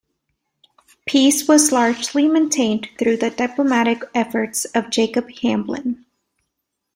Peace was largely maintained through the diplomatic efforts of Jacob Hamblin.